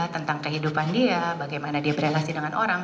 tentang kehidupan dia bagaimana dia berrelasi dengan orang